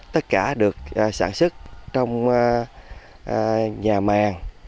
tất cả được sản xuất trong nhà màng